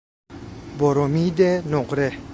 برمید نقره